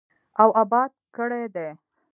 او اباد کړی دی.